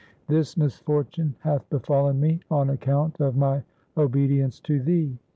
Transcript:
This misfortune hath befallen me on account of my obedience to thee.